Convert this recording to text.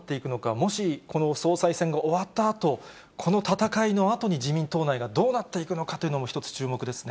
もし、この総裁選が終わったあと、この戦いのあとに、自民党内がどうなっていくのかというのも１つ注目ですね。